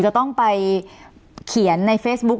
จะต้องไปเขียนในเฟซบุ๊ค